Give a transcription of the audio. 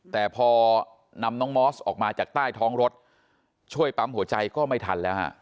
แต่พอนำน้องมอสออกมาจากใต้ท้องรถช่วยปั๊มหัวใจก็ไม่ทันแล้วฮะ